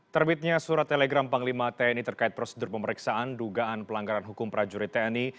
terbitnya surat telegram panglima tni terkait prosedur pemeriksaan dugaan pelanggaran hukum prajurit tni